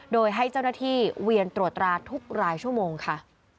โดยให้เจ้าหน้าที่เวียนตรวจตราทุกรายชั่วโมงค่ะ